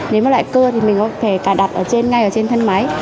nếu một loại cơ thì mình có thể cài đặt ngay trên thân máy